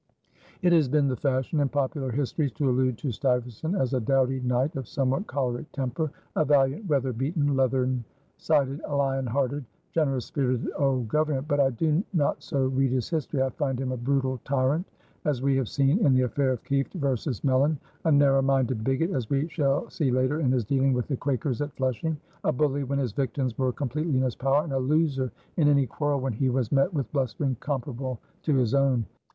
It has been the fashion in popular histories to allude to Stuyvesant as a doughty knight of somewhat choleric temper, "a valiant, weather beaten, leathern sided, lion hearted, generous spirited, old governor"; but I do not so read his history. I find him a brutal tyrant, as we have seen in the affair of Kieft versus Melyn; a narrow minded bigot, as we shall see later in his dealing with the Quakers at Flushing; a bully when his victims were completely in his power; and a loser in any quarrel when he was met with blustering comparable to his own.